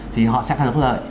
thì họ sẽ khăn rớt lợi